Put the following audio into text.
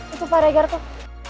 itu pak regar tuh